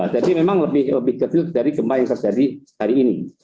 jadi memang lebih kecil dari gempa yang terjadi hari ini